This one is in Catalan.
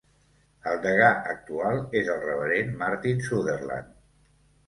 El degà actual és el reverend Martin Sutherland.